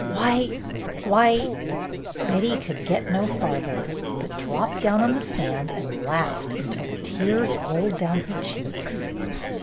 " Why — why 1 " Betty could get no farther, but dropped down on the sand and laughed until the tears rolled down her cheeks.